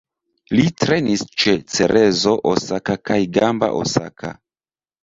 Li trejnis ĉe Cerezo Osaka kaj Gamba Osaka.